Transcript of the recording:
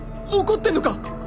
怒ってんのか！？